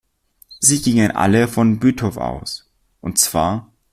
Sie gingen alle von Bütow aus, und zwar